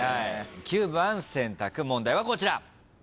９番選択問題はこちら。